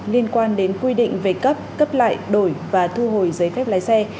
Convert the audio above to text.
liên quan đến quy định về cấp cấp lại đổi và thu hồi giấy phép lái xe